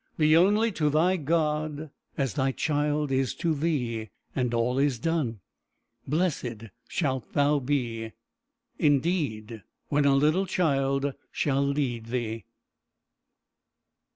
Be only to thy God as thy child is to thee, and all is done. Blessed shalt thou be, indeed, "when a little child shall lead thee."